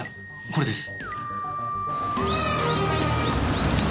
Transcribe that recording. これです。